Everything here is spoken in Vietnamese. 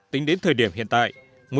tính đến thời điểm hiện tại